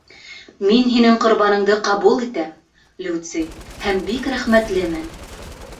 Мин һинең ҡорбаныңды ҡабул итәм, Люций, һәм бик рәхмәтлемен.